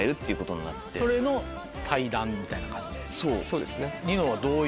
そうですね。